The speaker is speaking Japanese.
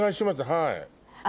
はい。